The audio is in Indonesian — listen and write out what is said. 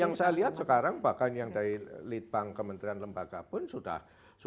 yang saya lihat sekarang bahkan yang dari lead bank kementerian lembaga pun sudah